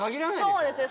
そうですね